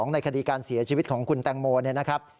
ในคดีการเสียชีวิตของคุณแตงโมเนี่ยนะครับ